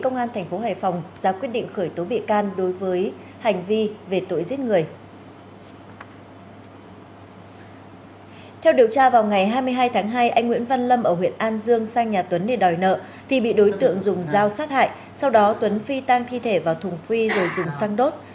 ngày hai mươi hai tháng hai anh nguyễn văn lâm ở huyện an dương sang nhà tuấn để đòi nợ thì bị đối tượng dùng dao sát hại sau đó tuấn phi tang thi thể vào thùng phi rồi dùng xăng đốt